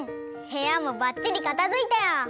へやもばっちりかたづいたよ。